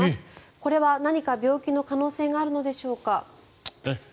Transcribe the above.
これは何か病気の可能性があるのでしょうか？